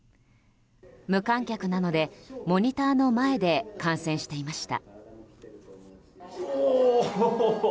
無観客なのでモニターの前で観戦していました。